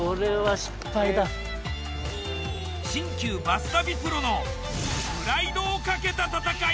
新旧バス旅プロのプライドをかけた戦い。